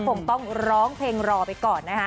คงต้องร้องเพลงรอไปก่อนนะคะ